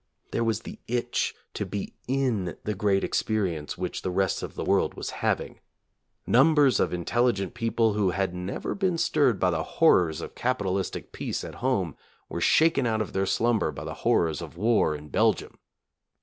There was the itch to be in the great experience which the rest of the world was having. Numbers of intelligent people who had never been stirred by the horrors of capitalistic peace at home were shaken out of their slumber by the horrors of war in Belgium.